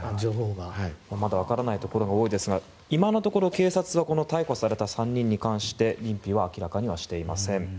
まだわからないところが多いですが今のところ警察はこの逮捕された３人に対して認否は明らかにしていません。